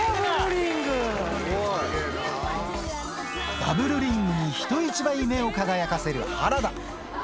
バブルリングに人一倍目を輝かせる原田。